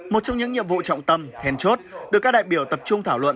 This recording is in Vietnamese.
một trong những nhiệm vụ trọng tâm thèn chốt được các đại biểu tập trung thảo luận